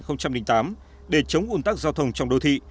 năm hai nghìn tám để chống ủn tắc giao thông trong đô thị